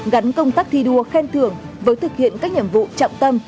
gắn công tác thi đua khen thưởng với thực hiện các nhiệm vụ trọng tâm